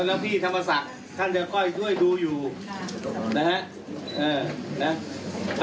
แล้วแล้วพี่ธรรมศักดิ์ท่านเดี๋ยวค่อยด้วยดูอยู่นะฮะเอ่อนะฮะ